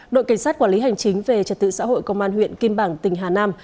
đội cảnh sát quản lý hành chính về trật tự xã hội công an huyện kim bảng tỉnh hà nam